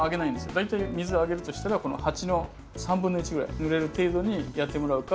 大体水あげるとしたらこの鉢の３分の１ぐらいぬれる程度にやってもらうか。